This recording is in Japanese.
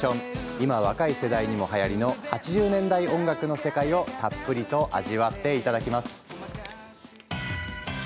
今、若い世代にはやりの８０年代音楽の世界をたっぷりと味わっていただきます。